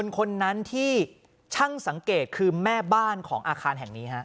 คนนั้นที่ช่างสังเกตคือแม่บ้านของอาคารแห่งนี้